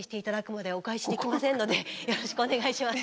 よろしくお願いします。